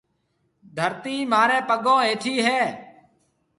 ڌرتِي مهاريَ پڱون هيَٺي هيَ۔